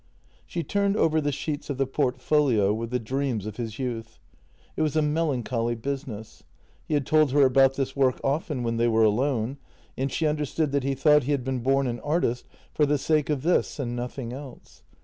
She turned over the sheets of the portfolio with the dreams of his youth; it was a melancholy business. He had told her about this work often when they were alone, and she understood that he thought he had been born an artist for the sake of this and nothing else.